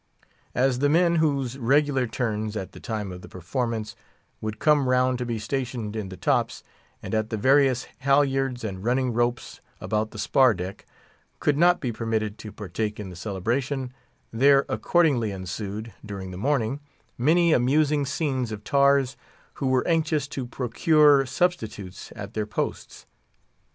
As the men whose regular turns, at the time of the performance, would come round to be stationed in the tops, and at the various halyards and running ropes about the spar deck, could not be permitted to partake in the celebration, there accordingly ensued, during the morning, many amusing scenes of tars who were anxious to procure substitutes at their posts.